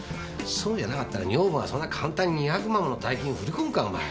そうじゃなかったら女房がそんな簡単に２００万もの大金振り込むかお前。